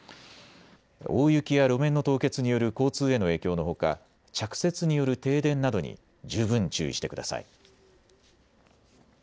大雪や路面の凍結による交通への影響のほか着雪による停電などに十分注意してください。